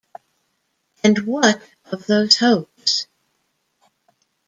And what of those hopes?